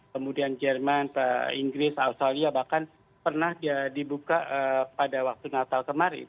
kemudian jerman inggris australia bahkan pernah dibuka pada waktu natal kemarin